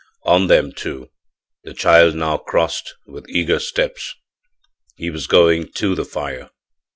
On them, too, the child now crossed with eager steps; he was going to the fire.